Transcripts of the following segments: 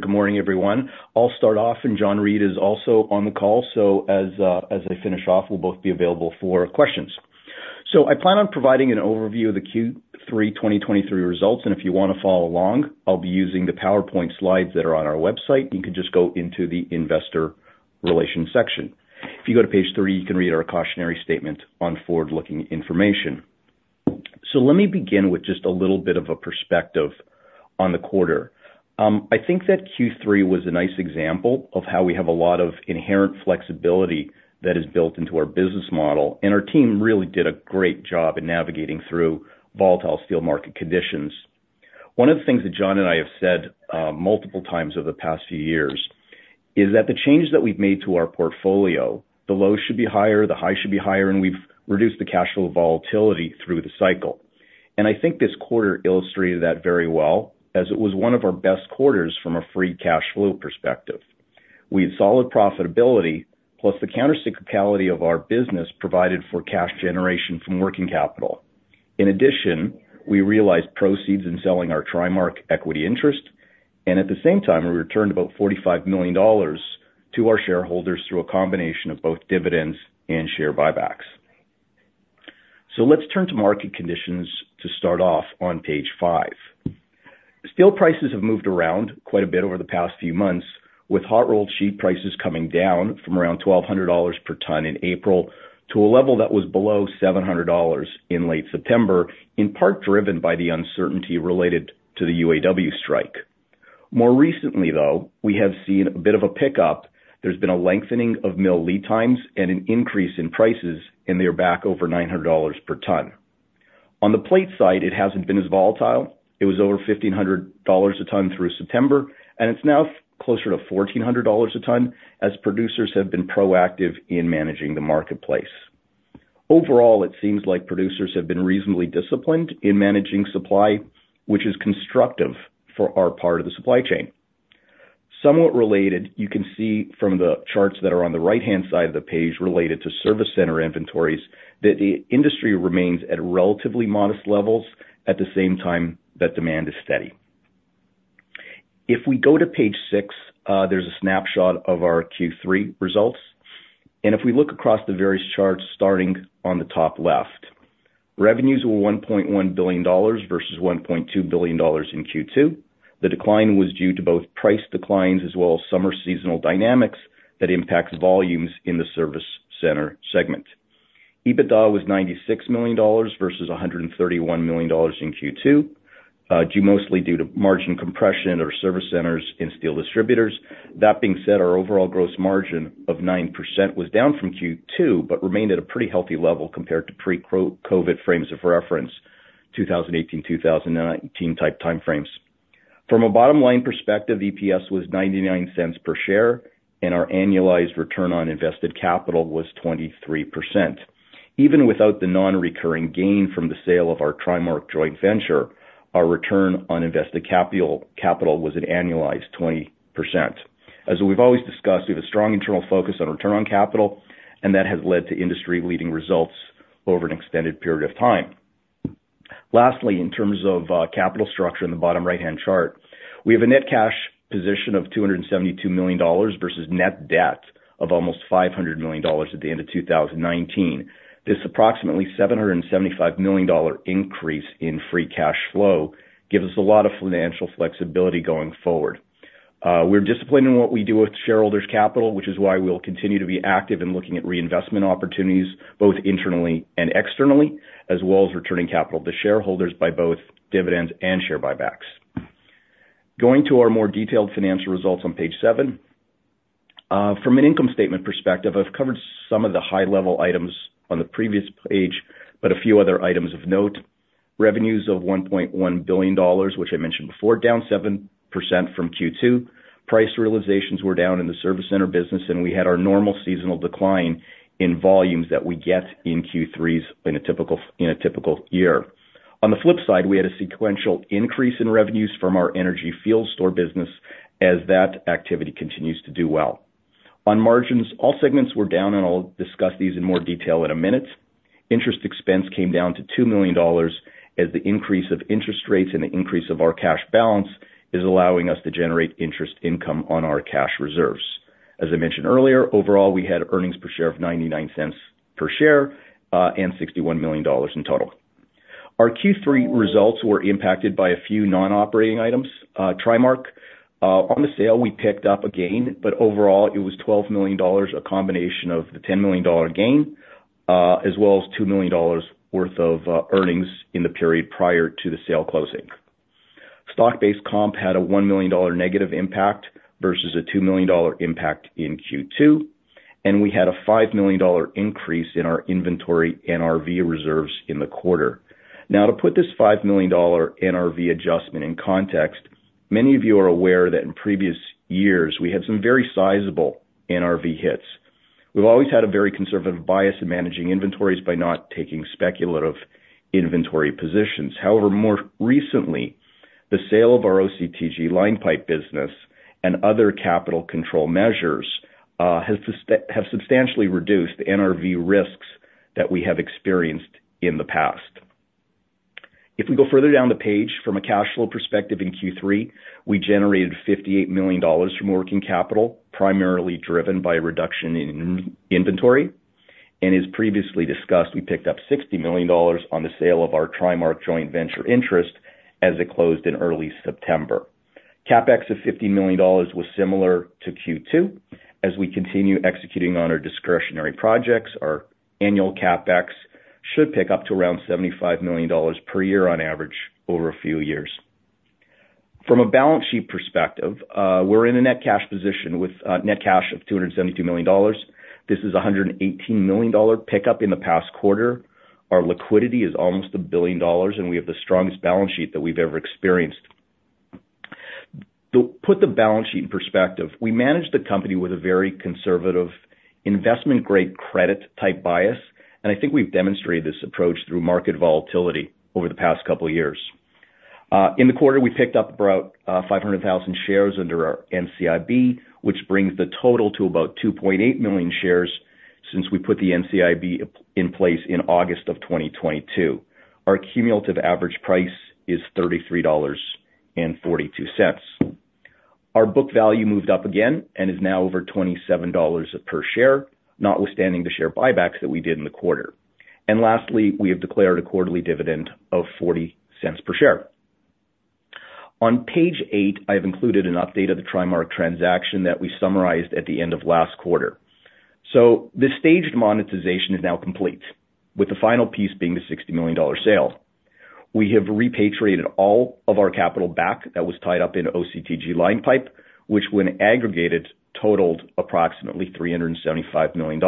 Good morning, everyone. I'll start off, and John Reid is also on the call, so as I finish off, we'll both be available for questions. So I plan on providing an overview of the Q3 2023 results, and if you want to follow along, I'll be using the PowerPoint slides that are on our website. You can just go into the investor relations section. If you go to page three, you can read our cautionary statement on forward-looking information. So let me begin with just a little bit of a perspective on the quarter. I think that Q3 was a nice example of how we have a lot of inherent flexibility that is built into our business model, and our team really did a great job in navigating through volatile steel market conditions. One of the things that John and I have said multiple times over the past few years is that the changes that we've made to our portfolio, the lows should be higher, the high should be higher, and we've reduced the cash flow volatility through the cycle. I think this quarter illustrated that very well, as it was one of our best quarters from a free cash flow perspective. We had solid profitability, plus the countercyclicality of our business provided for cash generation from working capital. In addition, we realized proceeds in selling our TriMark equity interest, and at the same time, we returned about $45 million to our shareholders through a combination of both dividends and share buybacks. Let's turn to market conditions to start off on page five. Steel prices have moved around quite a bit over the past few months, with hot rolled sheet prices coming down from around $1,200 per ton in April to a level that was below $700 in late September, in part driven by the uncertainty related to the UAW strike. More recently, though, we have seen a bit of a pickup. There's been a lengthening of mill lead times and an increase in prices, and they're back over $900 per ton. On the plate side, it hasn't been as volatile. It was over $1,500 a ton through September, and it's now closer to $1,400 a ton as producers have been proactive in managing the marketplace. Overall, it seems like producers have been reasonably disciplined in managing supply, which is constructive for our part of the supply chain. Somewhat related, you can see from the charts that are on the right-hand side of the page related to service center inventories, that the industry remains at relatively modest levels, at the same time, that demand is steady. If we go to page six, there's a snapshot of our Q3 results, and if we look across the various charts, starting on the top left, revenues were $1.1 billion versus $1.2 billion in Q2. The decline was due to both price declines as well as summer seasonal dynamics that impacts volumes in the service center segment. EBITDA was $96 million versus $131 million in Q2, due mostly due to margin compression or service centers in steel distributors. That being said, our overall gross margin of 9% was down from Q2, but remained at a pretty healthy level compared to pre-COVID frames of reference, 2018, 2019-type time frames. From a bottom line perspective, EPS was $0.99 per share, and our annualized return on invested capital was 23%. Even without the non-recurring gain from the sale of our TriMark joint venture, our return on invested capital was an annualized 20%. As we've always discussed, we have a strong internal focus on return on capital, and that has led to industry-leading results over an extended period of time. Lastly, in terms of capital structure in the bottom right-hand chart, we have a net cash position of $272 million versus net debt of almost $500 million at the end of 2019. This approximately $775 million-dollar increase in free cash flow gives us a lot of financial flexibility going forward. We're disciplined in what we do with shareholders' capital, which is why we'll continue to be active in looking at reinvestment opportunities, both internally and externally, as well as returning capital to shareholders by both dividends and share buybacks. Going to our more detailed financial results on page seven. From an income statement perspective, I've covered some of the high-level items on the previous page, but a few other items of note. Revenues of $1.1 billion, which I mentioned before, down 7% from Q2. Price realizations were down in the service center business, and we had our normal seasonal decline in volumes that we get in Q3s in a typical, in a typical year. On the flip side, we had a sequential increase in revenues from our energy field store business as that activity continues to do well. On margins, all segments were down, and I'll discuss these in more detail in a minute. Interest expense came down to $2 million, as the increase of interest rates and the increase of our cash balance is allowing us to generate interest income on our cash reserves. As I mentioned earlier, overall, we had earnings per share of $0.99 per share, and $61 million in total. Our Q3 results were impacted by a few non-operating items. TriMark, on the sale, we picked up a gain, but overall, it was $12 million, a combination of the $10 million gain, as well as $2 million worth of earnings in the period prior to the sale closing. Stock-based comp had a $1 million negative impact versus a $2 million impact in Q2, and we had a $5 million increase in our inventory, NRV reserves in the quarter. Now, to put this $5 million NRV adjustment in context, many of you are aware that in previous years, we had some very sizable NRV hits. We've always had a very conservative bias in managing inventories by not taking speculative inventory positions. However, more recently, the sale of our OCTG line pipe business and other capital control measures have substantially reduced the NRV risks that we have experienced in the past.... If we go further down the page, from a cash flow perspective, in Q3, we generated $58 million from working capital, primarily driven by a reduction in inventory, and as previously discussed, we picked up $60 million on the sale of our TriMark joint venture interest as it closed in early September. CapEx of $50 million was similar to Q2. As we continue executing on our discretionary projects, our annual CapEx should pick up to around $75 million per year on average over a few years. From a balance sheet perspective, we're in a net cash position with net cash of $272 million. This is a $118 million pickup in the past quarter. Our liquidity is almost $1 billion, and we have the strongest balance sheet that we've ever experienced. To put the balance sheet in perspective, we managed the company with a very conservative investment-grade, credit-type bias, and I think we've demonstrated this approach through market volatility over the past couple of years. In the quarter, we picked up about 500,000 shares under our NCIB, which brings the total to about 2.8 million shares since we put the NCIB in place in August of 2022. Our cumulative average price is 33.42 dollars. Our book value moved up again and is now over $27 per share, notwithstanding the share buybacks that we did in the quarter. Lastly, we have declared a quarterly dividend of $0.40 per share. On page eight, I've included an update of the TriMark transaction that we summarized at the end of last quarter. So the staged monetization is now complete, with the final piece being the $60 million sale. We have repatriated all of our capital back that was tied up in OCTG line pipe, which, when aggregated, totaled approximately $375 million.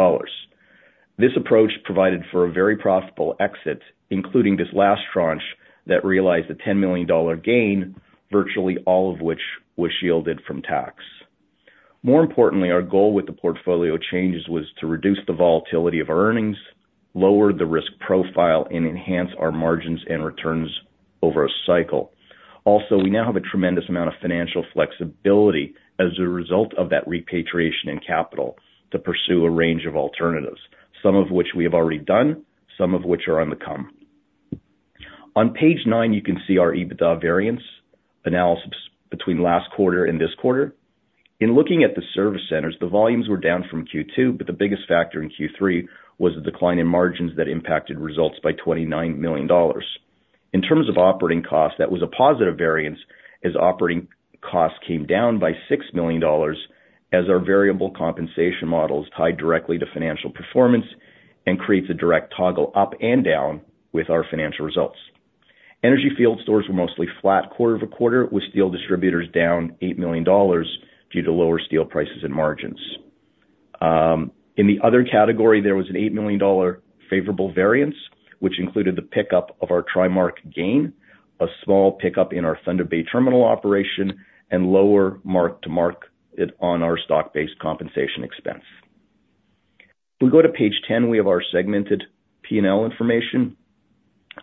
This approach provided for a very profitable exit, including this last tranche that realized a $10 million gain, virtually all of which was shielded from tax. More importantly, our goal with the portfolio changes was to reduce the volatility of earnings, lower the risk profile, and enhance our margins and returns over a cycle. Also, we now have a tremendous amount of financial flexibility as a result of that repatriation and capital to pursue a range of alternatives, some of which we have already done, some of which are on the come. On page nine, you can see our EBITDA variance analysis between last quarter and this quarter. In looking at the service centers, the volumes were down from Q2, but the biggest factor in Q3 was the decline in margins that impacted results by $29 million. In terms of operating costs, that was a positive variance, as operating costs came down by $6 million as our variable compensation models tied directly to financial performance and creates a direct toggle up and down with our financial results. Energy field stores were mostly flat quarter-over-quarter, with steel distributors down $8 million due to lower steel prices and margins. In the other category, there was a $8 million favorable variance, which included the pickup of our TriMark gain, a small pickup in our Thunder Bay terminal operation, and lower mark to market on our stock-based compensation expense. If we go to page 10, we have our segmented P&L information.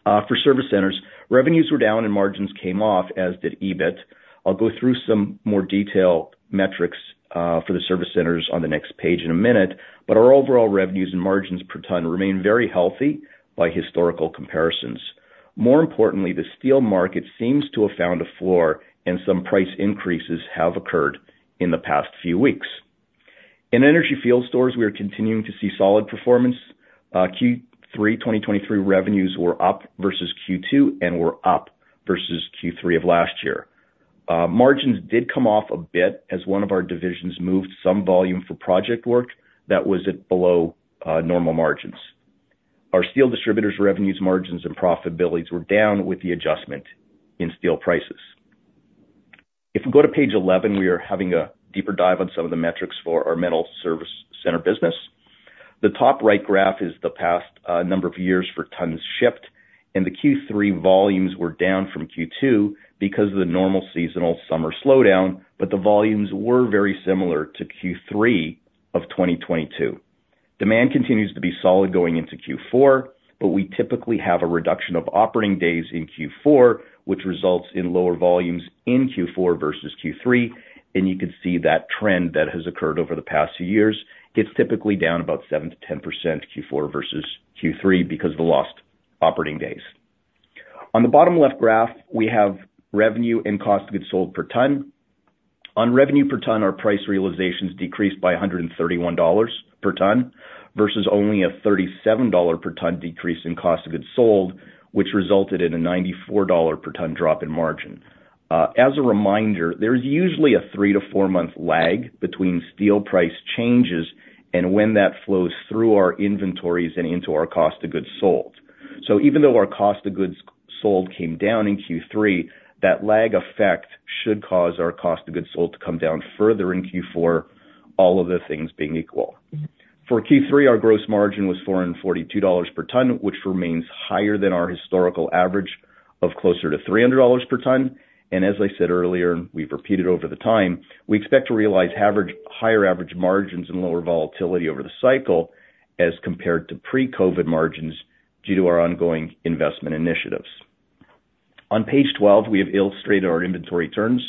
For service centers, revenues were down and margins came off, as did EBIT. I'll go through some more detailed metrics for the service centers on the next page in a minute, but our overall revenues and margins per ton remain very healthy by historical comparisons. More importantly, the steel market seems to have found a floor and some price increases have occurred in the past few weeks. In energy field stores, we are continuing to see solid performance. Q3 2023 revenues were up versus Q2 and were up versus Q3 of last year. Margins did come off a bit as one of our divisions moved some volume for project work that was at below normal margins. Our steel distributors' revenues, margins, and profitabilities were down with the adjustment in steel prices. If we go to page 11, we are having a deeper dive on some of the metrics for our metal service center business. The top right graph is the past number of years for tons shipped, and the Q3 volumes were down from Q2 because of the normal seasonal summer slowdown, but the volumes were very similar to Q3 of 2022. Demand continues to be solid going into Q4, but we typically have a reduction of operating days in Q4, which results in lower volumes in Q4 versus Q3, and you can see that trend that has occurred over the past few years. It's typically down about 7%-10%, Q4 versus Q3, because of the lost operating days. On the bottom left graph, we have revenue and cost of goods sold per ton. On revenue per ton, our price realizations decreased by $131 per ton versus only a $37 per ton decrease in cost of goods sold, which resulted in a $94 per ton drop in margin. As a reminder, there's usually a three to four month lag between steel price changes and when that flows through our inventories and into our cost of goods sold. So even though our cost of goods sold came down in Q3, that lag effect should cause our cost of goods sold to come down further in Q4, all of the things being equal. For Q3, our gross margin was $442 per ton, which remains higher than our historical average of closer to $300 per ton. As I said earlier, we've repeated over the time, we expect to realize average higher average margins and lower volatility over the cycle as compared to pre-COVID margins due to our ongoing investment initiatives. On page 12, we have illustrated our inventory turns.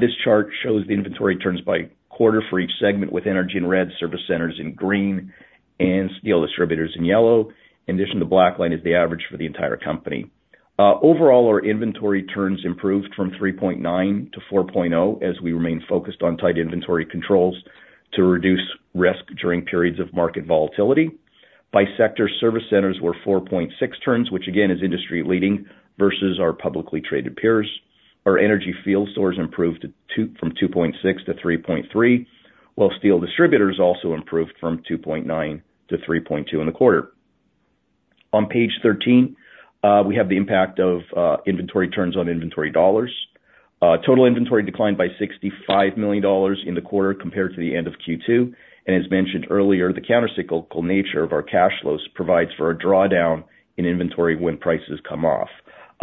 This chart shows the inventory turns by quarter for each segment, with energy in red, service centers in green, and steel distributors in yellow. In addition, the black line is the average for the entire company. Overall, our inventory turns improved from 3.9-4.0, as we remain focused on tight inventory controls to reduce risk during periods of market volatility. By sector, service centers were 4.6 turns, which again, is industry-leading versus our publicly traded peers. Our energy field stores improved from 2.6 -3.3, while steel distributors also improved from 2.9 -3.2 in the quarter. On page 13, we have the impact of inventory turns on inventory dollars. Total inventory declined by $65 million in the quarter compared to the end of Q2. And as mentioned earlier, the countercyclical nature of our cash flows provides for a drawdown in inventory when prices come off.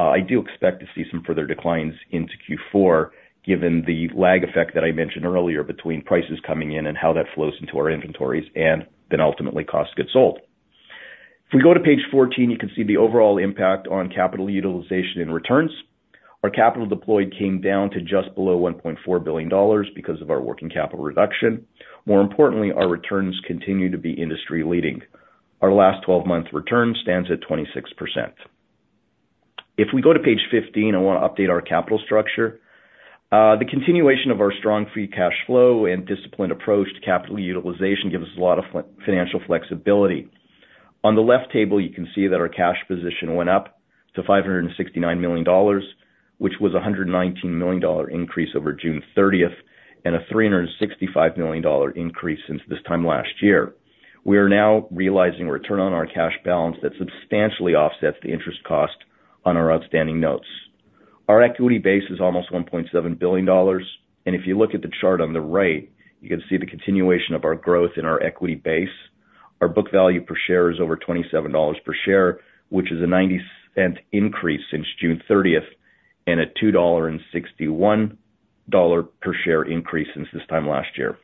I do expect to see some further declines into Q4, given the lag effect that I mentioned earlier between prices coming in and how that flows into our inventories, and then ultimately cost gets sold. If we go to page 14, you can see the overall impact on capital utilization and returns. Our capital deployed came down to just below $1.4 billion because of our working capital reduction. More importantly, our returns continue to be industry leading. Our last 12-month return stands at 26%. If we go to page 15, I want to update our capital structure. The continuation of our strong free cash flow and disciplined approach to capital utilization gives us a lot of financial flexibility. On the left table, you can see that our cash position went up to $569 million, which was a $119 million increase over June 30, and a $365 million increase since this time last year. We are now realizing return on our cash balance that substantially offsets the interest cost on our outstanding notes. Our equity base is almost $1.7 billion, and if you look at the chart on the right, you can see the continuation of our growth in our equity base. Our book value per share is over $27 per share, which is a $0.90 increase since June 30th, and a $2.61 per share increase since this time last year.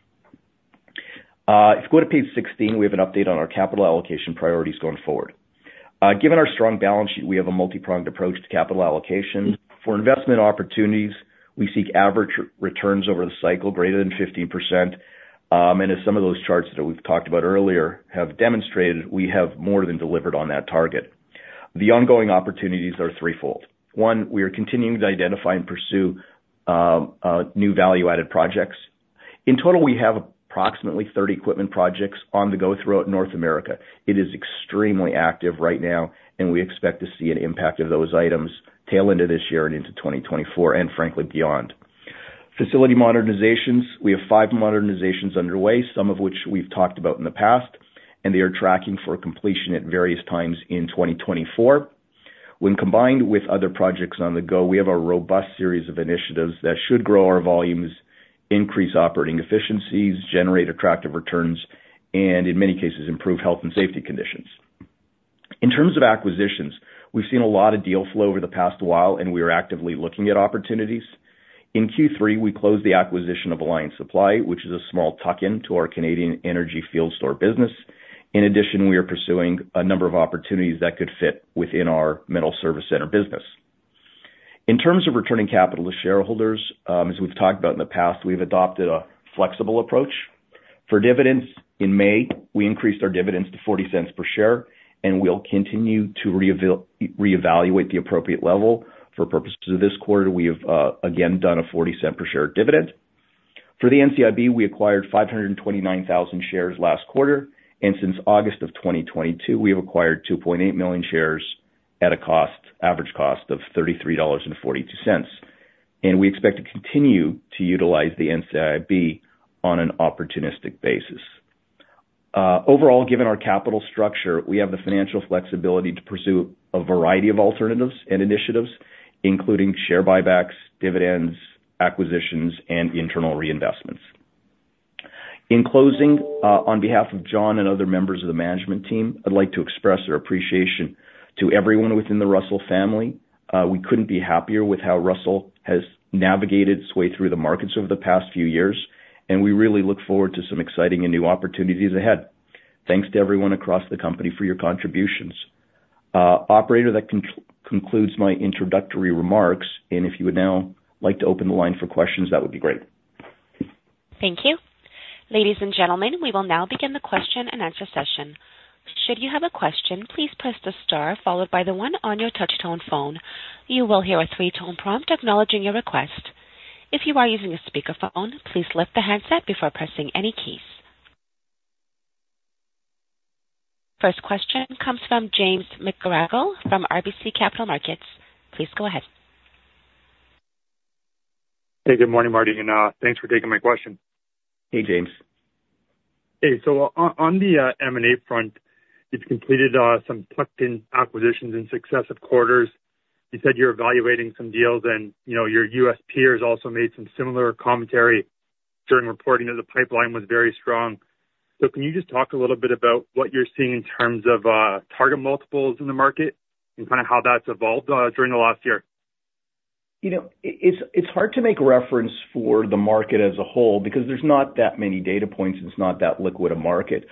If you go to page 16, we have an update on our capital allocation priorities going forward. Given our strong balance sheet, we have a multipronged approach to capital allocation. For investment opportunities, we seek average returns over the cycle greater than 15%. And as some of those charts that we've talked about earlier have demonstrated, we have more than delivered on that target. The ongoing opportunities are threefold. One, we are continuing to identify and pursue new value-added projects. In total, we have approximately 30 equipment projects on the go throughout North America. It is extremely active right now, and we expect to see an impact of those items tail into this year and into 2024, and frankly, beyond. Facility modernizations. We have five modernizations underway, some of which we've talked about in the past, and they are tracking for completion at various times in 2024. When combined with other projects on the go, we have a robust series of initiatives that should grow our volumes, increase operating efficiencies, generate attractive returns, and in many cases, improve health and safety conditions. In terms of acquisitions, we've seen a lot of deal flow over the past while, and we are actively looking at opportunities. In Q3, we closed the acquisition of Alliance Supply, which is a small tuck-in to our Canadian energy field store business. In addition, we are pursuing a number of opportunities that could fit within our middle service center business. In terms of returning capital to shareholders, as we've talked about in the past, we've adopted a flexible approach. For dividends, in May, we increased our dividends to $0.40 per share, and we'll continue to reevaluate the appropriate level. For purposes of this quarter, we have again done a $0.40 per share dividend. For the NCIB, we acquired 529,000 shares last quarter, and since August of 2022, we have acquired 2.8 million shares at a cost, average cost of $33.42. We expect to continue to utilize the NCIB on an opportunistic basis. Overall, given our capital structure, we have the financial flexibility to pursue a variety of alternatives and initiatives, including share buybacks, dividends, acquisitions, and internal reinvestments. In closing, on behalf of John and other members of the management team, I'd like to express our appreciation to everyone within the Russel family. We couldn't be happier with how Russel has navigated its way through the markets over the past few years, and we really look forward to some exciting and new opportunities ahead. Thanks to everyone across the company for your contributions. Operator, that concludes my introductory remarks, and if you would now like to open the line for questions, that would be great. Thank you. Ladies and gentlemen, we will now begin the question-and-answer session. Should you have a question, please press the star followed by the one on your touch-tone phone. You will hear a three-tone prompt acknowledging your request. If you are using a speakerphone, please lift the handset before pressing any keys. First question comes from James McGarragle from RBC Capital Markets. Please go ahead. Hey, good morning, Marty, and thanks for taking my question. Hey, James. Hey, so on the M&A front, you've completed some tuck-in acquisitions in successive quarters. You said you're evaluating some deals, and, you know, your U.S. peers also made some similar commentary during reporting that the pipeline was very strong. So can you just talk a little bit about what you're seeing in terms of target multiples in the market and kind of how that's evolved during the last year? You know, it's hard to make a reference for the market as a whole because there's not that many data points, it's not that liquid a market.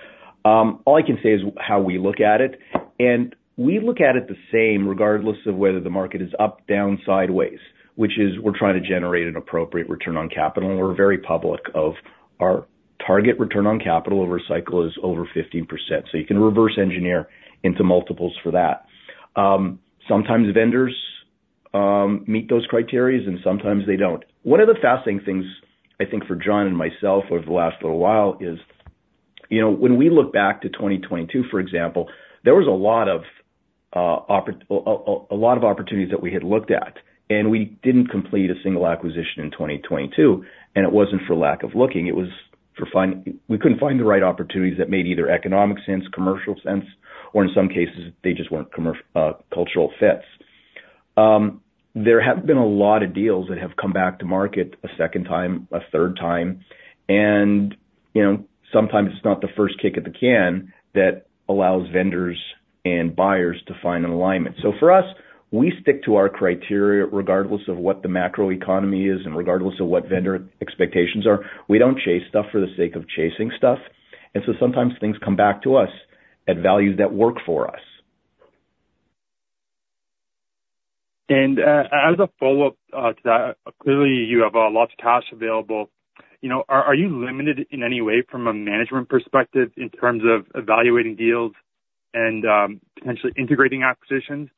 All I can say is how we look at it, and we look at it the same, regardless of whether the market is up, down, sideways, which is we're trying to generate an appropriate return on capital, and we're very public of our target return on capital over a cycle is over 15%, so you can reverse engineer into multiples for that. Sometimes vendors meet those criteria, and sometimes they don't. One of the fascinating things, I think, for John and myself over the last little while is, you know, when we look back to 2022, for example, there was a lot of a lot of opportunities that we had looked at, and we didn't complete a single acquisition in 2022, and it wasn't for lack of looking, it was we couldn't find the right opportunities that made either economic sense, commercial sense, or in some cases, they just weren't cultural fits. There have been a lot of deals that have come back to market a second time, a third time, and, you know, sometimes it's not the first kick at the can that allows vendors and buyers to find an alignment. For us, we stick to our criteria regardless of what the macroeconomy is and regardless of what vendor expectations are. We don't chase stuff for the sake of chasing stuff, and so sometimes things come back to us at values that work for us. As a follow-up to that, clearly you have lots of cash available. You know, are you limited in any way from a management perspective in terms of evaluating deals and potentially integrating acquisitions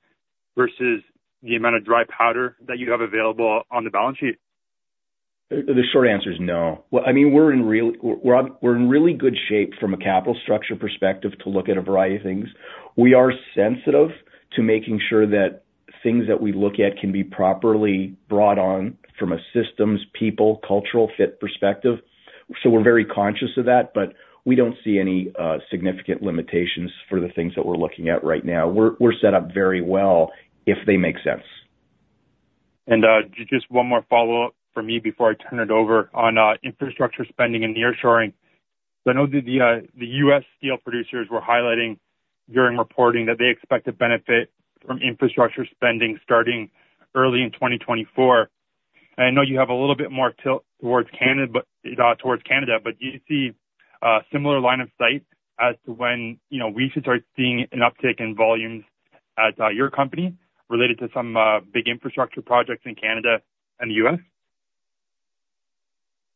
versus the amount of dry powder that you have available on the balance sheet? The short answer is no. Well, I mean, we're in really good shape from a capital structure perspective to look at a variety of things. We are sensitive to making sure that things that we look at can be properly brought on from a systems, people, cultural fit perspective. So we're very conscious of that, but we don't see any significant limitations for the things that we're looking at right now. We're set up very well, if they make sense. Just one more follow-up from me before I turn it over. On infrastructure spending and nearshoring, so I know that the U.S. steel producers were highlighting during reporting that they expect to benefit from infrastructure spending starting early in 2024. I know you have a little bit more tilt towards Canada, but do you see a similar line of sight as to when, you know, we should start seeing an uptick in volumes at your company related to some big infrastructure projects in Canada and the U.S.?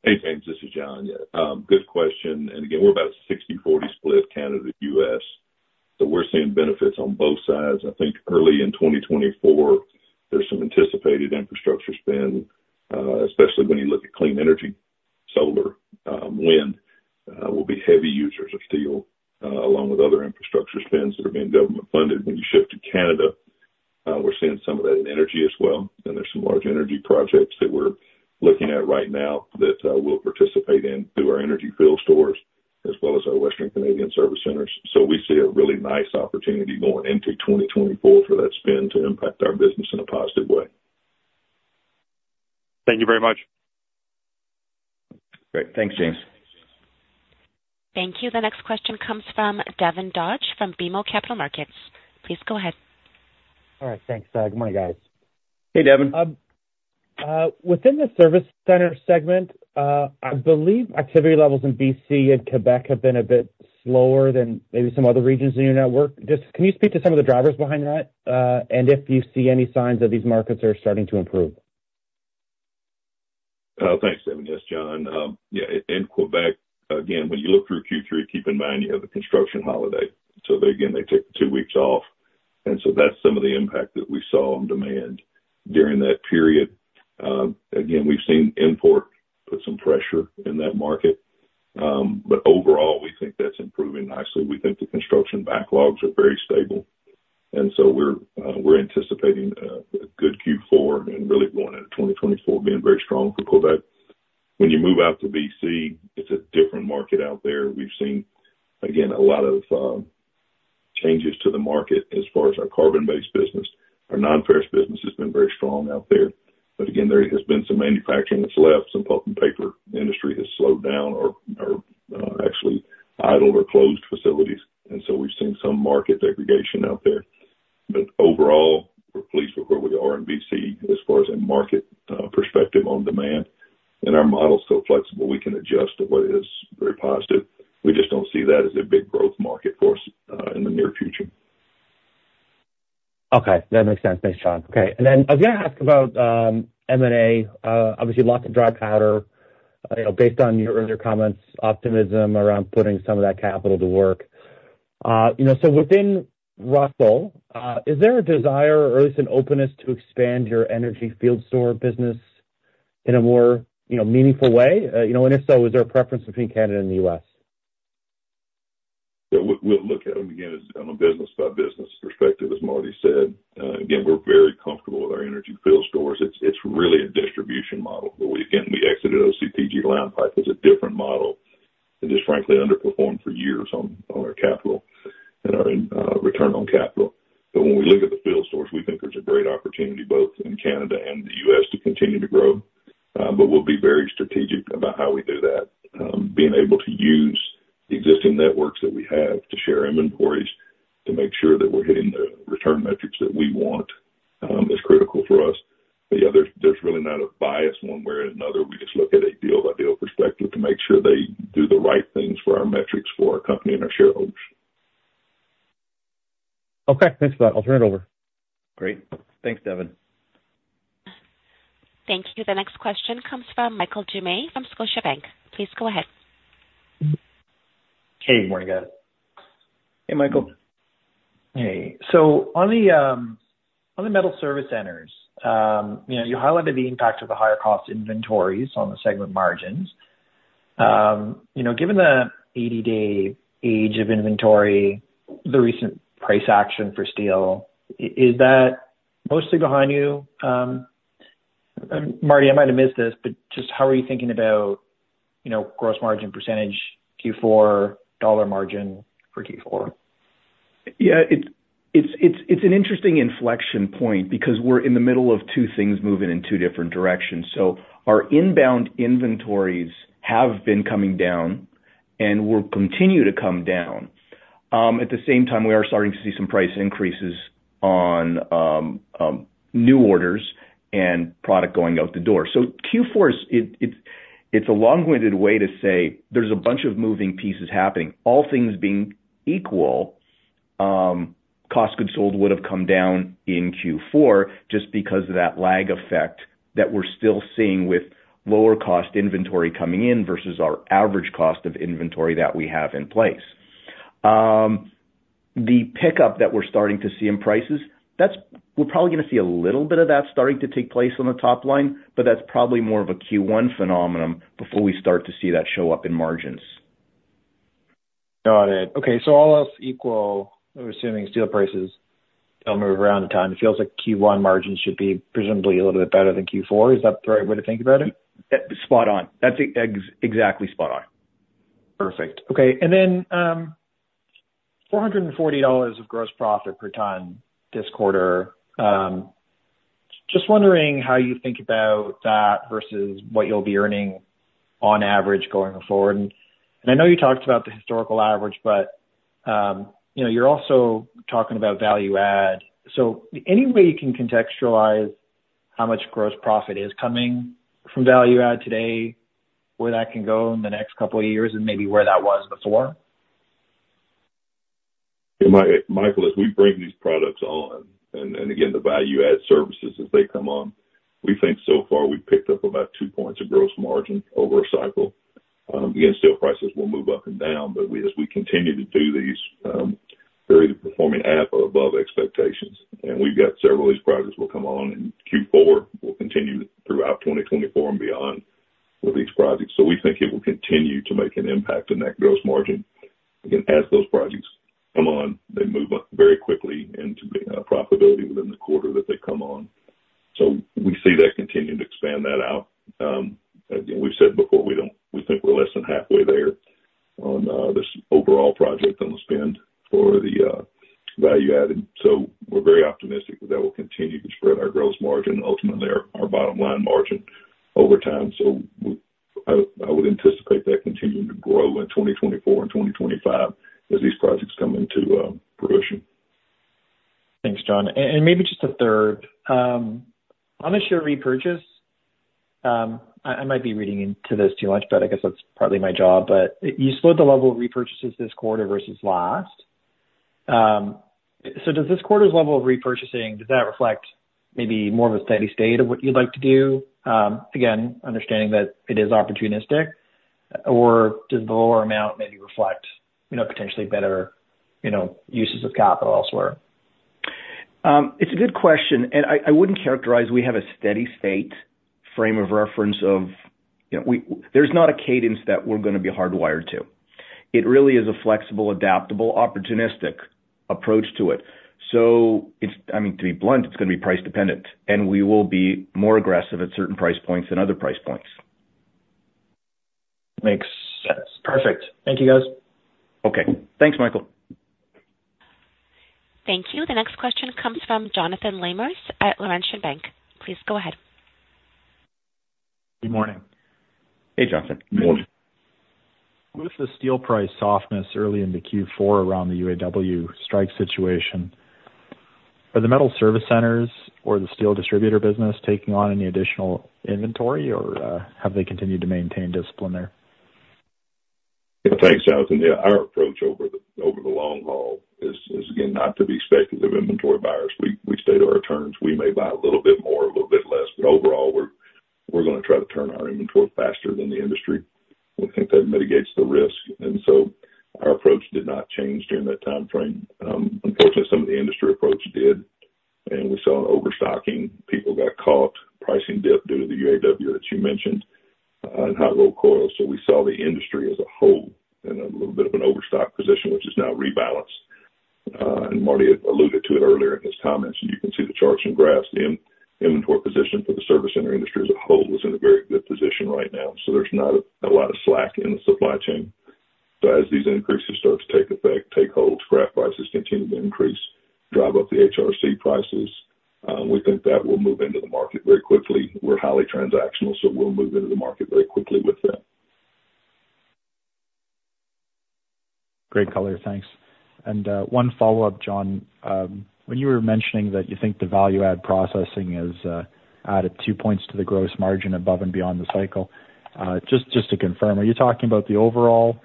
Hey, James, this is John. Yeah, good question. And again, we're about a 60/40 split, Canada to U.S., so we're seeing benefits on both sides. I think early in 2024, there's some anticipated infrastructure spend, especially when you look at clean energy, solar, wind, will be heavy users of steel, along with other infrastructure spends that are being government funded. When you shift to Canada, we're seeing some of that in energy as well. And there's some large energy projects that we're looking at right now that we'll participate in through our energy field stores as well as our Western Canadian service centers. So we see a really nice opportunity going into 2024 for that spend to impact our business in a positive way. Thank you very much. Great. Thanks, James. Thank you. The next question comes from Devin Dodge from BMO Capital Markets. Please go ahead. All right. Thanks. Good morning, guys. Hey, Devin. Within the service center segment, I believe activity levels in BC and Quebec have been a bit slower than maybe some other regions in your network. Just can you speak to some of the drivers behind that, and if you see any signs that these markets are starting to improve? Thanks, Devin. Yes, John. Yeah, in Quebec, again, when you look through Q3, keep in mind you have a construction holiday. So again, they take two weeks off, and so that's some of the impact that we saw on demand during that period. Again, we've seen imports put some pressure in that market, but overall, we think that's improving nicely. We think the construction backlogs are very stable, and so we're, we're anticipating a good Q4 and really going into 2024 being very strong for Quebec. When you move out to BC, it's a different market out there. We've seen, again, a lot of changes to the market as far as our carbon-based business. Our non-ferrous business has been very strong out there. But again, there has been some manufacturing that's left. Some pulp and paper industry has slowed down or actually idled or closed facilities, and so we've seen some market aggregation out there. But overall, we're pleased with where we are in BC as far as a market perspective on demand, and our model's so flexible, we can adjust to what is very positive. We just don't see that as a big growth market for us in the near future. Okay. That makes sense. Thanks, John. Okay, and then I was gonna ask about M&A. Obviously lots of dry powder, you know, based on your earlier comments, optimism around putting some of that capital to work. You know, so within Russel, is there a desire or at least an openness to expand your energy field store business in a more, you know, meaningful way? You know, and if so, is there a preference between Canada and the U.S.? Yeah, we'll look at them again as on a business-by-business perspective, as Marty said. Again, we're very comfortable with our energy field stores. It's really a distribution model. When we again we exited OCTG Pipe, it's a different model. It just frankly underperformed for years on our capital and our return on capital. But when we look at the field stores, we think there's a great opportunity both in Canada and the U.S. to continue to grow. But we'll be very strategic about how we do that. Being able to use existing networks that we have to share inventories to make sure that we're hitting the return metrics that we want is critical for us. But yeah, there's really not a bias one way or another. We just look at a deal-by-deal perspective to make sure they do the right things for our metrics, for our company and our shareholders. ... Okay, thanks for that. I'll turn it over. Great. Thanks, Devin. Thank you. The next question comes from Michael Doumet from Scotiabank. Please go ahead. Hey, good morning, guys. Hey, Michael. Hey, so on the metal service centers, you know, you highlighted the impact of the higher cost inventories on the segment margins. You know, given the 80 day age of inventory, the recent price action for steel, is that mostly behind you? Marty, I might have missed this, but just how are you thinking about, you know, gross margin percentage Q4, dollar margin for Q4? Yeah, it's an interesting inflection point because we're in the middle of two things moving in two different directions. So our inbound inventories have been coming down and will continue to come down. At the same time, we are starting to see some price increases on new orders and product going out the door. So Q4 is a long-winded way to say there's a bunch of moving pieces happening. All things being equal, cost of goods sold would have come down in Q4 just because of that lag effect that we're still seeing with lower cost inventory coming in versus our average cost of inventory that we have in place. The pickup that we're starting to see in prices, that's – we're probably gonna see a little bit of that starting to take place on the top line, but that's probably more of a Q1 phenomenon before we start to see that show up in margins. Got it. Okay, so all else equal, we're assuming steel prices will move around in time. It feels like Q1 margins should be presumably a little bit better than Q4. Is that the right way to think about it? Spot on. That's exactly spot on. Perfect. Okay. And then, $440 of gross profit per ton this quarter. Just wondering how you think about that versus what you'll be earning on average going forward. And I know you talked about the historical average, but, you know, you're also talking about value add. So any way you can contextualize how much gross profit is coming from value add today, where that can go in the next couple of years, and maybe where that was before? Yeah, Michael, as we bring these products on, and again, the value add services as they come on, we think so far we've picked up about two points of gross margin over a cycle. Again, steel prices will move up and down, but we, as we continue to do these, they're either performing at or above expectations. And we've got several of these projects will come on in Q4, will continue throughout 2024 and beyond with these projects. So we think it will continue to make an impact on that gross margin. Again, as those projects come on, they move up very quickly into profitability within the quarter that they come on. So we see that continuing to expand that out. Again, we've said before, we don't, we think we're less than halfway there on this overall project on the spend for the value added. So we're very optimistic that will continue to spread our gross margin, ultimately our bottom line margin over time. So I, I would anticipate that continuing to grow in 2024 and 2025 as these projects come into fruition. Thanks, John. And maybe just a third. On the share repurchase, I might be reading into this too much, but I guess that's partly my job. But you slowed the level of repurchases this quarter versus last. So does this quarter's level of repurchasing reflect maybe more of a steady state of what you'd like to do? Again, understanding that it is opportunistic, or does the lower amount maybe reflect, you know, potentially better, you know, uses of capital elsewhere? It's a good question, and I wouldn't characterize we have a steady state frame of reference of... You know, there's not a cadence that we're gonna be hardwired to. It really is a flexible, adaptable, opportunistic approach to it. So it's... I mean, to be blunt, it's gonna be price dependent, and we will be more aggressive at certain price points than other price points. Makes sense. Perfect. Thank you, guys. Okay. Thanks, Michael. Thank you. The next question comes from Jonathan Lamers at Laurentian Bank. Please go ahead. Good morning. Hey, Jonathan. Morning. With the steel price softness early in the Q4 around the UAW strike situation, are the metal service centers or the steel distributor business taking on any additional inventory or, have they continued to maintain discipline there? Yeah. Thanks, Jonathan. Yeah, our approach over the long haul is again not to be speculative inventory buyers. We stay to our terms. We may buy a little bit more or a little bit less, but overall, we're gonna try to turn our inventory faster than the industry. We think that mitigates the risk, and so our approach did not change during that timeframe. Unfortunately, some of the industry approach did, and we saw an overstocking. People got caught pricing dip due to the UAW that you mentioned and hot rolled coils. So we saw the industry as a whole in a little bit of an overstock position, which is now rebalanced. And Marty alluded to it earlier in his comments. You can see the charts and graphs. The in-inventory position for the service center industry as a whole is in a very good position right now. So there's not a lot of slack in the supply chain. So as these increases start to take effect, take hold, scrap prices continue to increase, drive up the HRC prices, we think that will move into the market very quickly. We're highly transactional, so we'll move into the market very quickly with them. Great color. Thanks. And, one follow-up, John. When you were mentioning that you think the value add processing has added two points to the gross margin above and beyond the cycle, just, just to confirm, are you talking about the overall,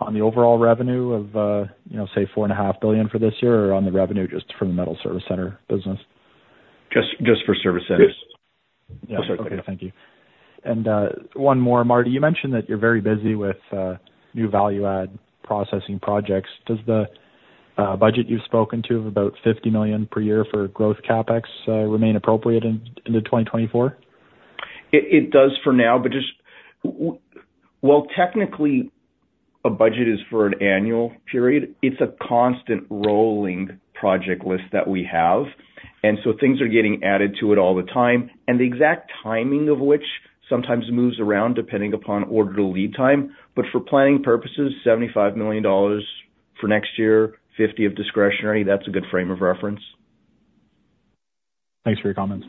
on the overall revenue of, you know, say, $4.5 billion for this year, or on the revenue just from the metal service center business? Just, just for service centers. Yeah. Okay. Thank you. And one more, Marty. You mentioned that you're very busy with new value add processing projects. Does the budget you've spoken to of about $50 million per year for growth CapEx remain appropriate into 2024? It does for now, but well, technically, a budget is for an annual period. It's a constant rolling project list that we have, and so things are getting added to it all the time, and the exact timing of which sometimes moves around depending upon order lead time. But for planning purposes, $75 million for next year, 50 of discretionary, that's a good frame of reference. Thanks for your comments.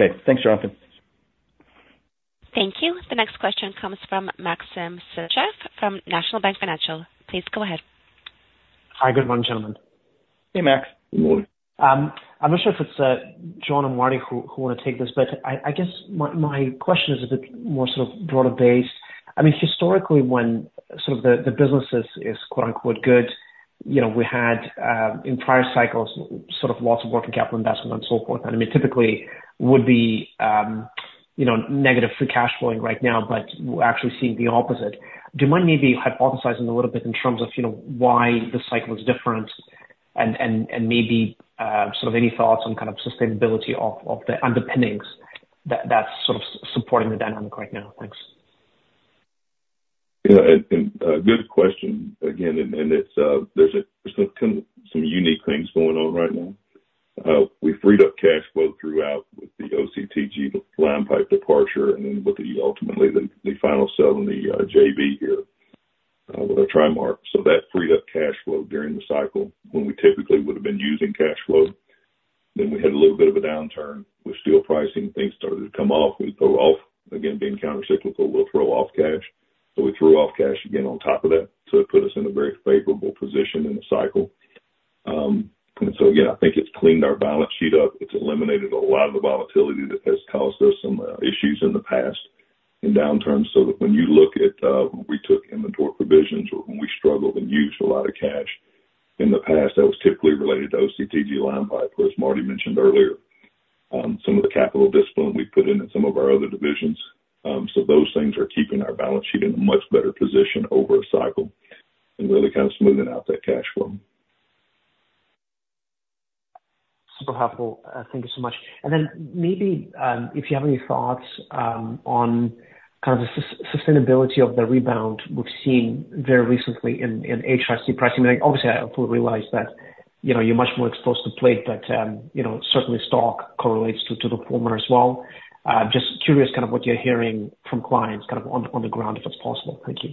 Okay, thanks, Jonathan. Thank you. The next question comes from Maxim Sytchev from National Bank Financial. Please go ahead. Hi, good morning, gentlemen. Hey, Max. Morning I'm not sure if it's John or Marty who want to take this, but I guess my question is a bit more sort of broader based. I mean, historically, when sort of the business is quote, unquote, good, you know, we had in prior cycles sort of lots of working capital investment and so forth. I mean, typically would be, you know, negative free cash flowing right now, but we're actually seeing the opposite. Do you mind maybe hypothesizing a little bit in terms of, you know, why the cycle is different? And maybe sort of any thoughts on kind of sustainability of the underpinnings that's sort of supporting the dynamic right now? Thanks. Yeah, and a good question again, and it's, there's some unique things going on right now. We freed up cash flow throughout with the OCTG line pipe departure, and then with the, ultimately, the final sell in the JV here with TriMark. So that freed up cash flow during the cycle, when we typically would have been using cash flow. Then we had a little bit of a downturn with steel pricing. Things started to come off. We throw off... Again, being countercyclical, we'll throw off cash. So we threw off cash again on top of that. So it put us in a very favorable position in the cycle. And so again, I think it's cleaned our balance sheet up. It's eliminated a lot of the volatility that has caused us some issues in the past, in downturns, so that when you look at, when we took inventory provisions or when we struggled and used a lot of cash in the past, that was typically related to OCTG line pipe, as Marty mentioned earlier. Some of the capital discipline we put into some of our other divisions. So those things are keeping our balance sheet in a much better position over a cycle and really kind of smoothing out that cash flow. Super helpful. Thank you so much. And then maybe, if you have any thoughts, on kind of the sustainability of the rebound we've seen very recently in, in HRC pricing. Obviously, I fully realize that, you know, you're much more exposed to plate, but, you know, certainly stock correlates to, to the former as well. Just curious kind of what you're hearing from clients kind of on, on the ground, if it's possible. Thank you.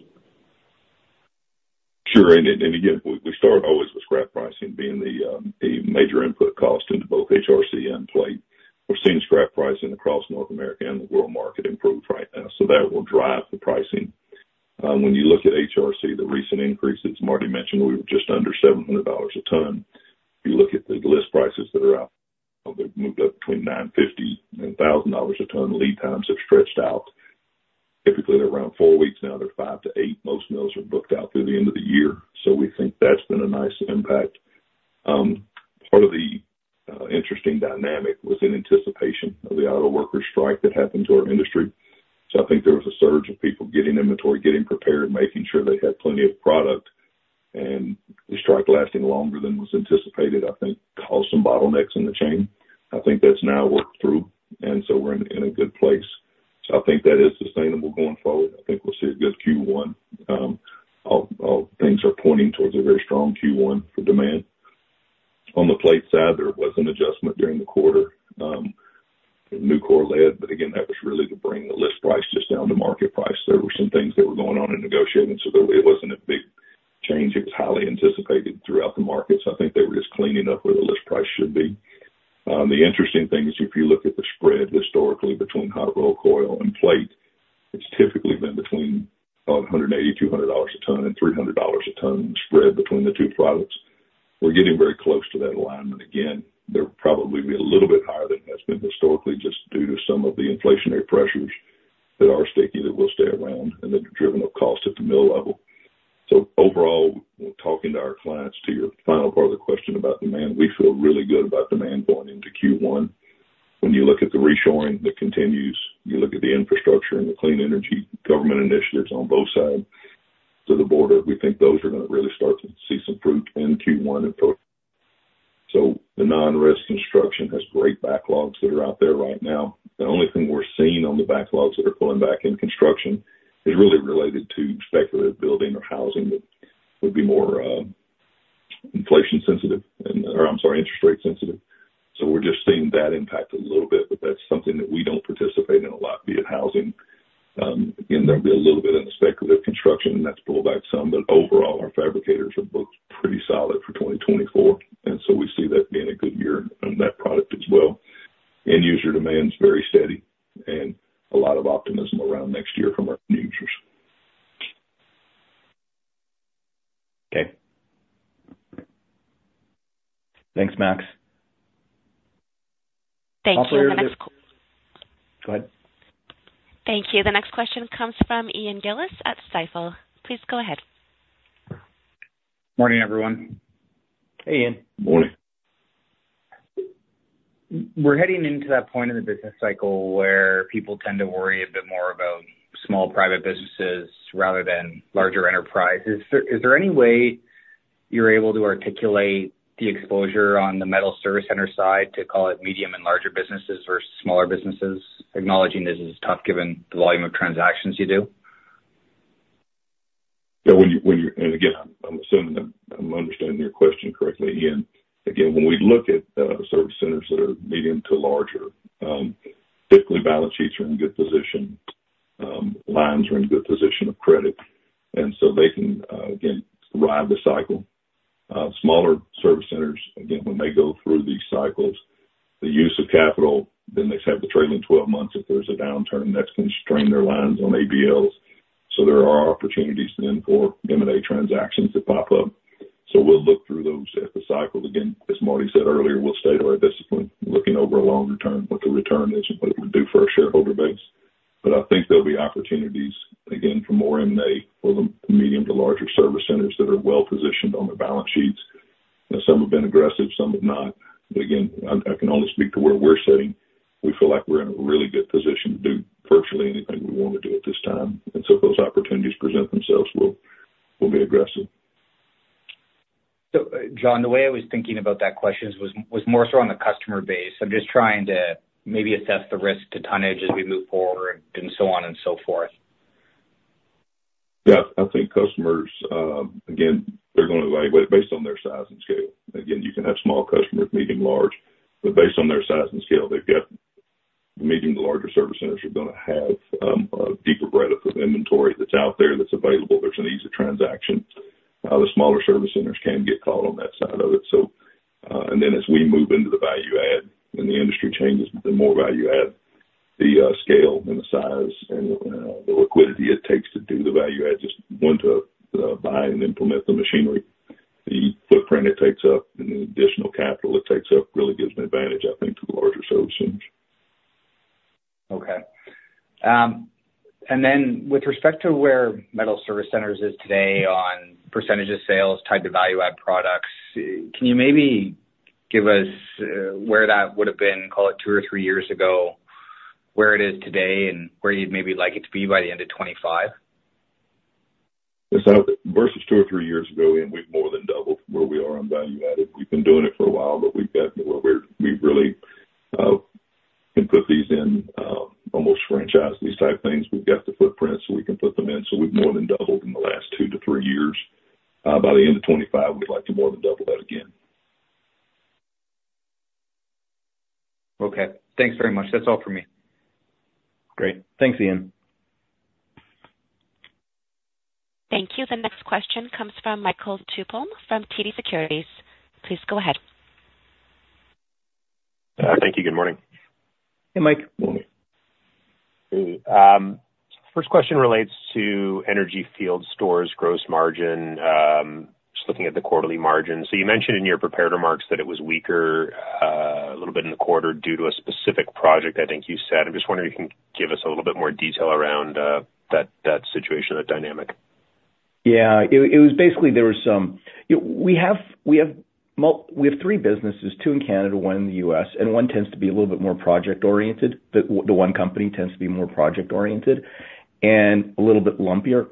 Sure. And again, we start always with scrap pricing being the major input cost into both HRC and plate. We're seeing scrap pricing across North America and the world market improve right now, so that will drive the pricing. When you look at HRC, the recent increases, Marty mentioned, we were just under $700 a ton. If you look at the list prices that are out, they've moved up between $950 and $1,000 a ton. Lead times have stretched out. Typically, they're around four weeks, now they're five to eight. Most mills are booked out through the end of the year, so we think that's been a nice impact. Part of the interesting dynamic was in anticipation of the auto worker strike that happened to our industry. So I think there was a surge of people getting inventory, getting prepared, making sure they had plenty of product, and the strike lasting longer than was anticipated, I think caused some bottlenecks in the chain. I think that's now worked through, and so we're in a good place. So I think that is sustainable going forward. I think we'll see a good Q1. All things are pointing towards a very strong Q1 for demand. On the plate side, there was an adjustment during the quarter, Nucor led, but again, that was really to bring the list price just down to market price. There were some things that were going on in negotiating, so it wasn't a big change. It was highly anticipated throughout the market, so I think they were just cleaning up where the list price should be. The interesting thing is, if you look at the spread historically between hot rolled coil and plate, it's typically been between $180-$200 a ton and $300 a ton spread between the two products. We're getting very close to that alignment again. They're probably be a little bit higher than it has been historically, just due to some of the inflationary pressures that are sticky, that will stay around and that have driven up costs at the mill level. So overall, talking to our clients to your final part of the question about demand, we feel really good about demand going into Q1. When you look at the reshoring that continues, you look at the infrastructure and the clean energy government initiatives on both sides of the border, we think those are going to really start to see some fruit in Q1 and so. So the non-residential construction has great backlogs that are out there right now. The only thing we're seeing on the backlogs that are pulling back in construction is really related to speculative building or housing that would be more, inflation sensitive and, or I'm sorry, interest rate sensitive. So we're just seeing that impact a little bit, but that's something that we don't participate in a lot, be it housing. Again, there'll be a little bit in the speculative construction and that's pulled back some, but overall, our fabricators are booked pretty solid for 2024, and so we see that being a good year on that product as well. End user demand is very steady and a lot of optimism around next year from our end users. Okay. Thanks, Max. Thank you. Go ahead. Thank you. The next question comes from Ian Gillies at Stifel. Please go ahead. Morning, everyone. Hey, Ian. Morning. We're heading into that point in the business cycle where people tend to worry a bit more about small private businesses rather than larger enterprises. Is there any way you're able to articulate the exposure on the metal service center side to call it medium and larger businesses versus smaller businesses, acknowledging this is tough given the volume of transactions you do? Yeah, when you... And again, I'm assuming I'm understanding your question correctly, Ian. Again, when we look at service centers that are medium to larger, typically balance sheets are in good position, lines are in good position of credit, and so they can, again, ride the cycle. Smaller service centers, again, when they go through these cycles, the use of capital, then they have the trailing twelve months if there's a downturn, that's going to strain their lines on ABLs. So there are opportunities then for M&A transactions to pop up. So we'll look through those at the cycle. Again, as Marty said earlier, we'll stay to our discipline, looking over a long return, what the return is and what it would do for our shareholder base. But I think there'll be opportunities again for more M&A for the medium to larger service centers that are well positioned on their balance sheets. You know, some have been aggressive, some have not. But again, I, I can only speak to where we're sitting. We feel like we're in a really good position to do virtually anything we want to do at this time, and so if those opportunities present themselves, we'll, we'll be aggressive. So, John, the way I was thinking about that question was more so on the customer base. I'm just trying to maybe assess the risk to tonnage as we move forward and so on and so forth. Yeah. I think customers, again, they're going to evaluate based on their size and scale. Again, you can have small customers, medium, large, but based on their size and scale, they've got... The medium to larger service centers are going to have a deeper breadth of inventory that's out there, that's available. There's an ease of transaction. The smaller service centers can get caught on that side of it. So, and then as we move into the value add and the industry changes, the more value add, the scale and the size and the liquidity it takes to do the value add, to buy and implement the machinery, the footprint it takes up and the additional capital it takes up really gives an advantage, I think, to the larger service centers. Okay. And then with respect to where metal service centers is today on percentage of sales, type of value add products, can you maybe give us where that would have been, call it two or three years ago, where it is today, and where you'd maybe like it to be by the end of 2025? Yes. So versus two or three years ago, and we've more than doubled from where we are on value added. We've been doing it for a while, but we've got where we're. We really can put these in, almost franchise these type things. We've got the footprint, so we can put them in, so we've more than doubled in the last two to three years. By the end of 2025, we'd like to more than double that again. Okay. Thanks very much. That's all for me. Great. Thanks, Ian. Thank you. The next question comes from Michael Tupholme from TD Securities. Please go ahead. Thank you. Good morning. Hey, Mike. Morning. Hey, first question relates to energy field stores, gross margin. Just looking at the quarterly margin. So you mentioned in your prepared remarks that it was weaker, a little bit in the quarter due to a specific project, I think you said. I'm just wondering if you can give us a little bit more detail around that situation, that dynamic. Yeah. It was basically... We have three businesses, two in Canada, one in the U.S., and one tends to be a little bit more project oriented. The one company tends to be more project oriented and a little bit lumpier,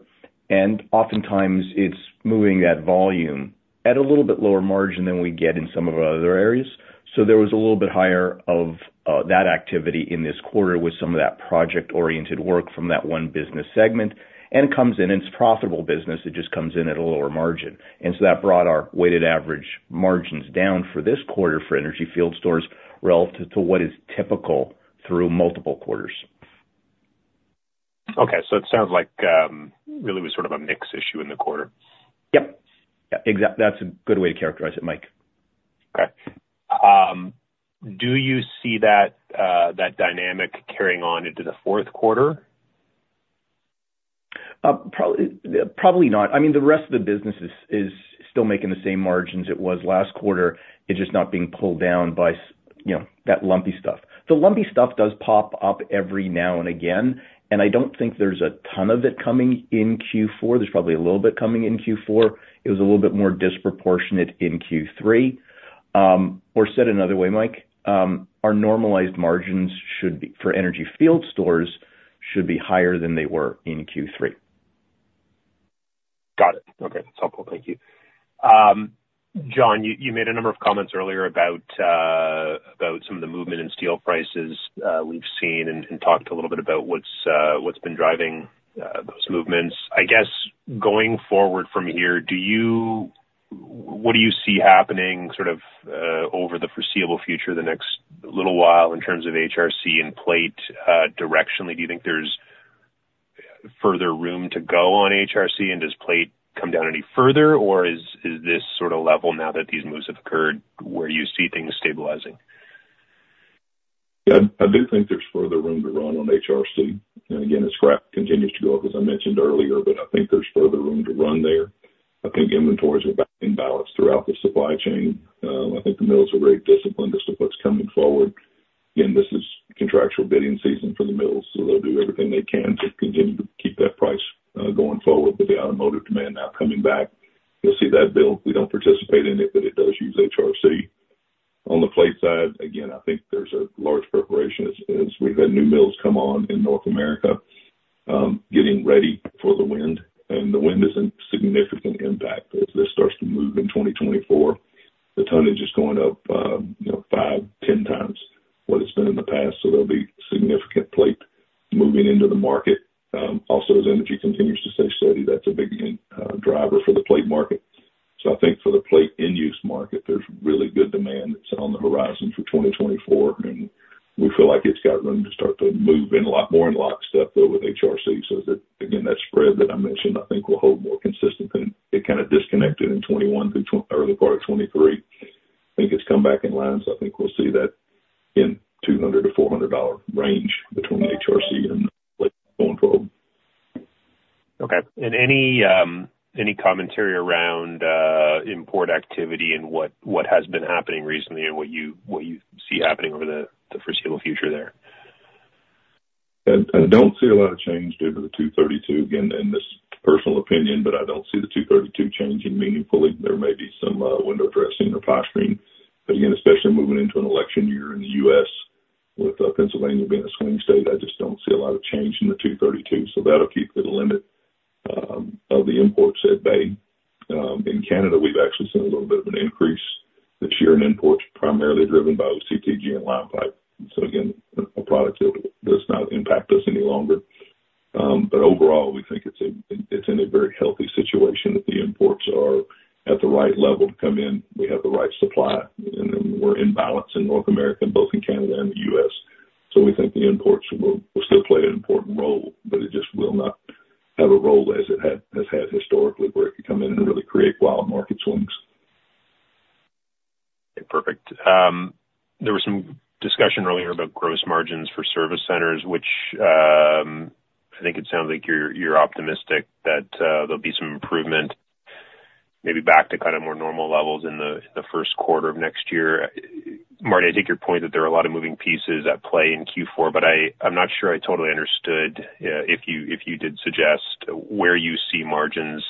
and oftentimes it's moving that volume at a little bit lower margin than we get in some of our other areas. So there was a little bit higher of that activity in this quarter with some of that project-oriented work from that one business segment, and it comes in. It's a profitable business; it just comes in at a lower margin. And so that brought our weighted average margins down for this quarter for energy field stores relative to what is typical through multiple quarters. Okay. So it sounds like, really was sort of a mix issue in the quarter? Yep. Yep. Exactly. That's a good way to characterize it, Mike. Okay. Do you see that, that dynamic carrying on into the fourth quarter? Probably, probably not. I mean, the rest of the business is still making the same margins it was last quarter. It's just not being pulled down by you know, that lumpy stuff. The lumpy stuff does pop up every now and again, and I don't think there's a ton of it coming in Q4. There's probably a little bit coming in Q4. It was a little bit more disproportionate in Q3. Or said another way, Mike, our normalized margins should be, for energy field stores, should be higher than they were in Q3. Got it. Okay. That's helpful. Thank you. John, you made a number of comments earlier about about some of the movement in steel prices, we've seen and and talked a little bit about what's what's been driving those movements. I guess, going forward from here, what do you see happening sort of over the foreseeable future, the next little while, in terms of HRC and plate directionally? Do you think there's further room to go on HRC, and does plate come down any further, or is this sort of level now that these moves have occurred, where you see things stabilizing? Yeah, I do think there's further room to run on HRC. And again, as scrap continues to go up, as I mentioned earlier, but I think there's further room to run there. I think inventories are back in balance throughout the supply chain. I think the mills are very disciplined as to what's coming forward. Again, this is contractual bidding season for the mills, so they'll do everything they can to continue to keep that price going forward. With the automotive demand now coming back, you'll see that build. We don't participate in it, but it does use HRC. On the plate side, again, I think there's a large preparation as we've had new mills come on in North America, getting ready for the wind, and the wind is a significant impact as this starts to move in 2024. The tonnage is going up, you know, 5-10 times what it's been in the past, so there'll be significant plate moving into the market. Also, as energy continues to stay steady, that's a big driver for the plate market. So I think for the plate end use market, there's really good demand that's on the horizon for 2024, and we feel like it's got room to start to move in a lot more in lockstep, though, with HRC. So that, again, that spread that I mentioned, I think will hold more consistent than it kind of disconnected in 2021 through early part of 2023. I think it's come back in line, so I think we'll see that in $200-$400 range between HRC and plate going forward. Okay. And any commentary around import activity and what has been happening recently and what you see happening over the foreseeable future there? I don't see a lot of change due to the 232. Again, and this is personal opinion, but I don't see the 232 changing meaningfully. There may be some window dressing or posturing, but again, especially moving into an election year in the U.S., with Pennsylvania being a swing state, I just don't see a lot of change in the 232, so that'll keep the limit of the imports at bay. In Canada, we've actually seen a little bit of an increase this year in imports, primarily driven by OCTG and line pipe. So again, a product that does not impact us any longer. But overall, we think it's in a very healthy situation, that the imports are at the right level to come in. We have the right supply, and we're in balance in North America, both in Canada and the U.S. So we think the imports will still play an important role, but it just will not have a role as it has had historically, where it could come in and really create wild market swings. Perfect. There was some discussion earlier about gross margins for service centers, which, I think it sounds like you're, you're optimistic that, there'll be some improvement, maybe back to kind of more normal levels in the, the first quarter of next year. Marty, I take your point that there are a lot of moving pieces at play in Q4, but I, I'm not sure I totally understood, if you, if you did suggest where you see margins,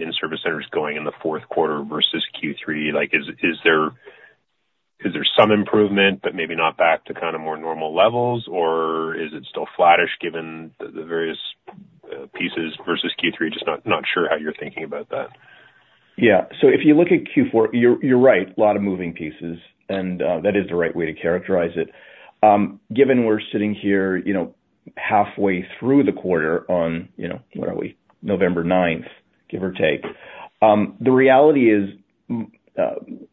in service centers going in the fourth quarter versus Q3. Like, is, is there... Is there some improvement, but maybe not back to kind of more normal levels? Or is it still flattish given the, the various, pieces versus Q3? Just not, not sure how you're thinking about that. Yeah. So if you look at Q4, you're right, a lot of moving pieces, and that is the right way to characterize it. Given we're sitting here, you know, halfway through the quarter on, you know, where are we? November 9th, give or take. The reality is,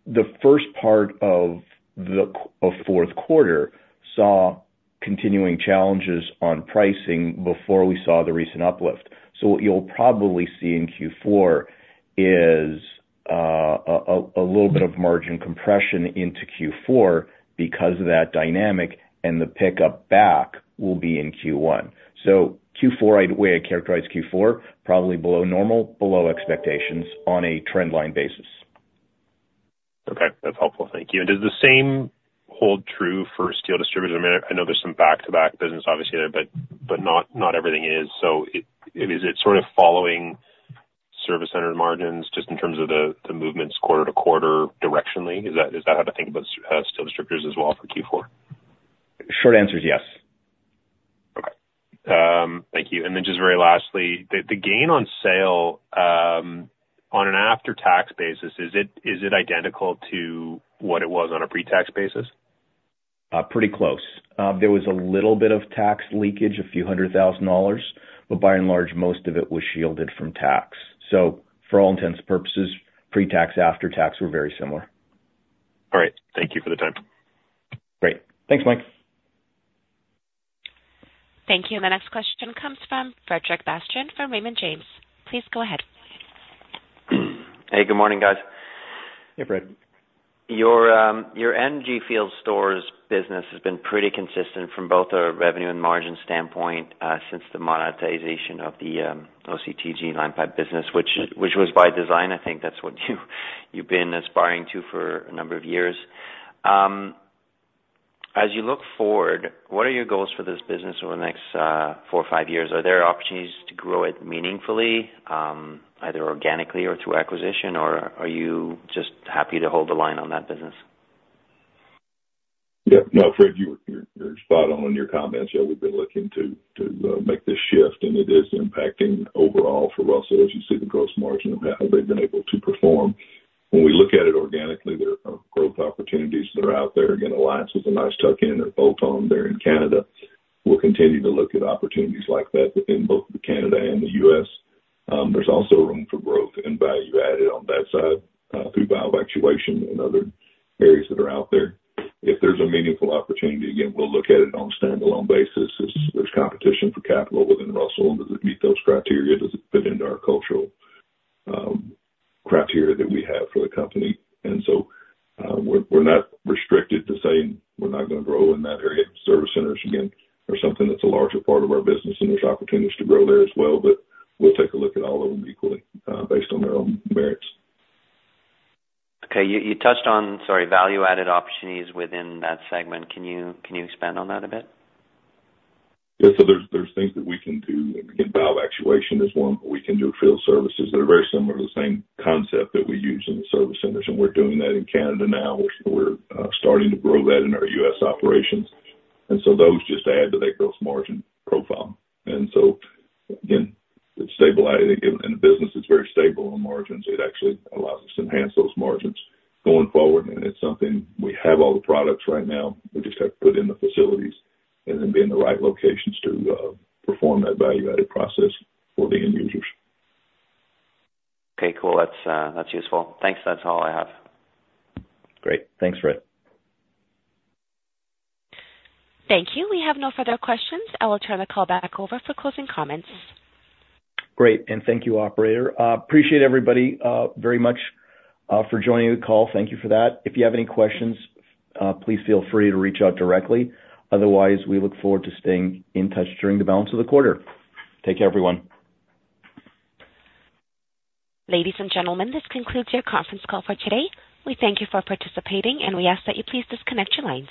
the first part of the fourth quarter saw continuing challenges on pricing before we saw the recent uplift. So what you'll probably see in Q4 is a little bit of margin compression into Q4 because of that dynamic, and the pickup back will be in Q1. So Q4, the way I'd characterize Q4, probably below normal, below expectations on a trend line basis. Okay. That's helpful. Thank you. And does the same hold true for steel distributors? I mean, I know there's some back-to-back business obviously there, but, but not, not everything is. So it, is it sort of following service center margins just in terms of the, the movements quarter to quarter directionally? Is that, is that how to think about steel distributors as well for Q4? Short answer is yes. Okay. Thank you. And then just very lastly, the gain on sale, on an after-tax basis, is it identical to what it was on a pre-tax basis? Pretty close. There was a little bit of tax leakage, a few hundred thousand dollars, but by and large, most of it was shielded from tax. So for all intents and purposes, pre-tax, after-tax were very similar. All right. Thank you for the time. Great. Thanks, Mike. Thank you. The next question comes from Frederic Bastien from Raymond James. Please go ahead. Hey, good morning, guys. Hey, Fred. Your, your energy field stores business has been pretty consistent from both a revenue and margin standpoint, since the monetization of the, OCTG and line pipe business, which was by design. I think that's what you've been aspiring to for a number of years. As you look forward, what are your goals for this business over the next, four or five years? Are there opportunities to grow it meaningfully, either organically or through acquisition, or are you just happy to hold the line on that business? Yeah. No, Fred, you're spot on in your comments. Yeah, we've been looking to make this shift, and it is impacting overall for Russel, as you see the gross margin of how they've been able to perform. When we look at it organically, there are growth opportunities that are out there. Again, Alliance was a nice tuck-in or bolt-on there in Canada. We'll continue to look at opportunities like that in both Canada and the U.S. There's also room for growth and value added on that side through valve actuation and other areas that are out there. If there's a meaningful opportunity, again, we'll look at it on a standalone basis. If there's competition for capital within Russel, does it meet those criteria? Does it fit into our cultural criteria that we have for the company? And so, we're not restricted to saying we're not gonna grow in that area. Service centers, again, are something that's a larger part of our business, and there's opportunities to grow there as well, but we'll take a look at all of them equally, based on their own merits. Okay. You touched on, sorry, value-added opportunities within that segment. Can you expand on that a bit? Yeah. So there's, there's things that we can do. Again, valve actuation is one, but we can do field services that are very similar to the same concept that we use in the service centers, and we're doing that in Canada now. We're starting to grow that in our U.S. operations. And so those just add to that gross margin profile. And so again, it's stabilizing, and the business is very stable on margins. It actually allows us to enhance those margins going forward, and it's something we have all the products right now. We just have to put in the facilities and then be in the right locations to perform that value-added process for the end users. Okay, cool. That's, that's useful. Thanks. That's all I have. Great. Thanks, Fred. Thank you. We have no further questions. I will turn the call back over for closing comments. Great, and thank you, operator. Appreciate everybody very much for joining the call. Thank you for that. If you have any questions, please feel free to reach out directly. Otherwise, we look forward to staying in touch during the balance of the quarter. Take care, everyone. Ladies and gentlemen, this concludes your conference call for today. We thank you for participating, and we ask that you please disconnect your lines.